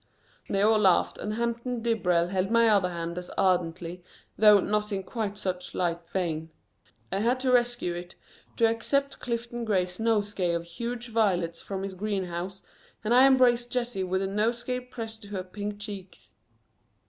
They all laughed and Hampton Dibrell held my other hand as ardently, though not in quite such light vein. I had to rescue it to accept Clifton Gray's nosegay of huge violets from his greenhouse, and I embraced Jessie with the nosegay pressed to her pink cheeks.